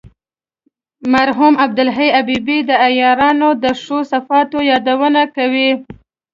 مرحوم عبدالحی حبیبي د عیارانو د ښو صفاتو یادونه کوي.